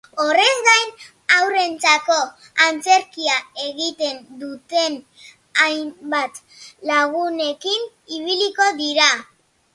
Horrez gain, haurrentzako antzerkia egiten duten hainbat lagunekin ibiliko dira.